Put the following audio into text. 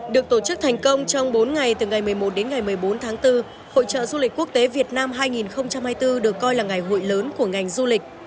được tổ chức thành công trong bốn ngày từ ngày một mươi một đến ngày một mươi bốn tháng bốn hội trợ du lịch quốc tế việt nam hai nghìn hai mươi bốn được coi là ngày hội lớn của ngành du lịch